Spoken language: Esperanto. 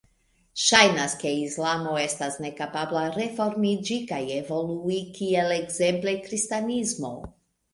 Ŝajnas, ke islamo estas nekapabla reformiĝi kaj evolui kiel ekzemple kristanismo.